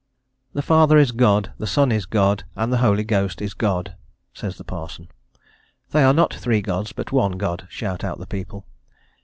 "The Father is God, the Son is God, and the Holy Ghost is God," says the parson. "They are not three Gods, but one God," shout out the people.